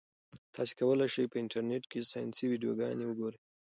تاسي کولای شئ په انټرنيټ کې ساینسي ویډیوګانې وګورئ.